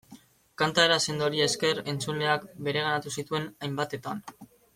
Kantaera sendoari esker, entzuleak bereganatu zituen hainbatetan.